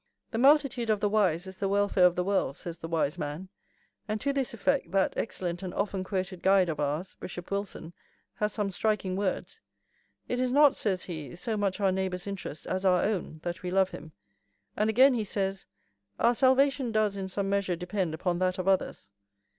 "The multitude of the wise is the welfare of the world," says the wise man. And to this effect that excellent and often quoted guide of ours, Bishop Wilson, has some striking words: "It is not," says he, "so much our neighbour's interest as our own that we love him." And again he says: "Our salvation does in some measure depend upon that of others."